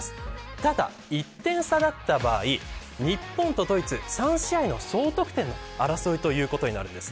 ただ１点差だった場合日本とドイツ、３試合の総得点の争いということになります。